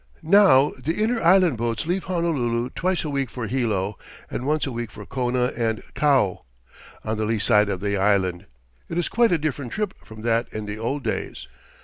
Now, the Inter Island boats leave Honolulu twice a week for Hilo and once a week for Kona and Kau, on the lee side of the island. It is quite a different trip from that in the old days.